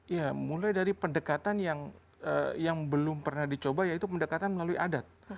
ya mulai dari pendekatan yang belum pernah dicoba yaitu pendekatan melalui adat